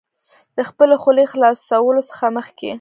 د خپلې خولې خلاصولو څخه مخکې